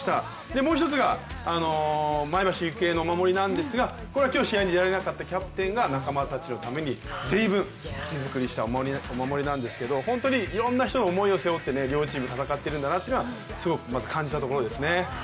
もう一つが前橋育英のお守りなんですがこれは今日、試合に出られなかったキャプテンが仲間たちのために全員分、手作りしたお守りですが本当にいろんな人の思いを背負って両チーム戦ってるんだなとすごく感じたところですね。